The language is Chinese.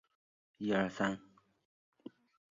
特奥兰迪亚是巴西巴伊亚州的一个市镇。